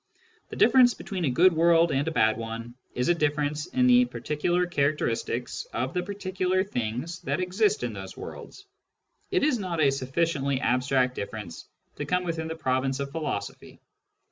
The difference between a good world and a bad one is a difference in the particular characteristics of the particular things that exist in these worlds : it is not a sufficiently abstract difference to come within the province of philosophy.